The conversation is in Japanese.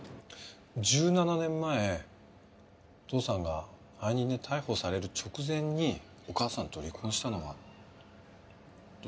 １７年前お父さんが背任で逮捕される直前にお母さんと離婚したのはどうして？